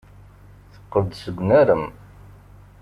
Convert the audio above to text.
Teqqel-d seg unarem.